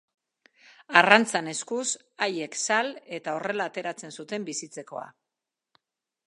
Arrantzan eskuz, haiek sal, eta horrela ateratzen zuten bizitzekoa.